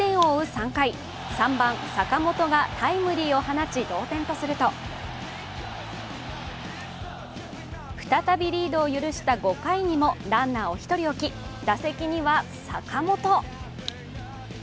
３回、３番・坂本がタイムリーを放ち、同点とすると再びリードを許した５回にもランナーを１人置き、打席には坂本。